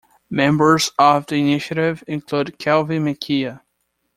Members of the initiative include Kelvin Mwikya.